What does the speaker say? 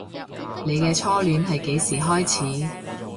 你嘅初戀係幾時開始